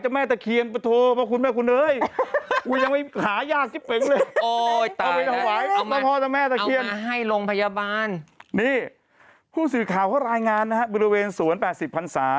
อะไรอย่างนั้นพรุ่งสื่อข่าวเขารายงานนะครับบริเวณสวน๘๐พันศาสตร์